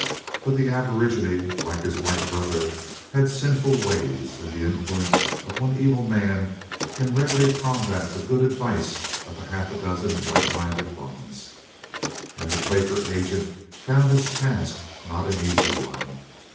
But the aborigine, like his white brother, has sinful ways, and the influence of one evil man can readily combat the good advice of half a dozen right minded ones, and the Quaker agent found his task not an easy one.